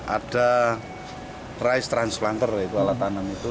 ada rice transplanter yaitu alat tanam itu